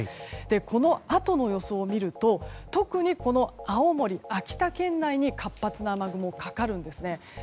このあとの予想を見ると特にこの青森、秋田県内に活発な雨雲がかかるんですね。